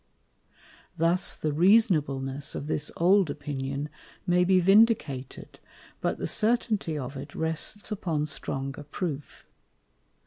Thus the Reasonableness of this old Opinion may be vindicated, but the Certainty of it rests upon stronger Proof.